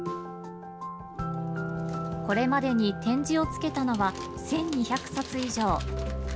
これまでに点字をつけたのは１２００冊以上。